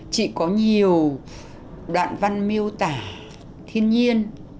chị có nhiều đoạn văn miêu tả thiên nhiên